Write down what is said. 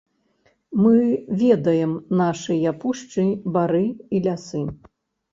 Мы ведаем нашыя пушчы, бары і лясы.